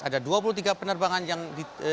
ada dua puluh tiga penerbangan yang